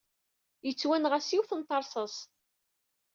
Yettwanɣa s yiwet n teṛṣast.